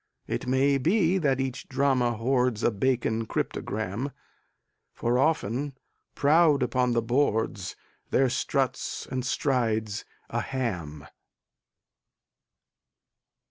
It may be that each drama hoards A Bacon cryptogram, For often, proud upon the boards There struts and strides a ham.